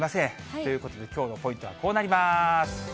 ということできょうのポイントはこうなります。